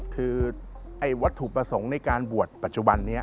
คือวัตถุประสงค์ในการบวชปัจจุบันนี้